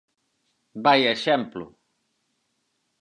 ¡Vaia exemplo!